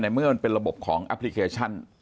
เมื่อมันเป็นระบบของแอปพลิเคชัน